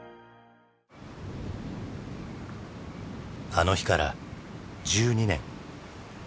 あの日から１２年。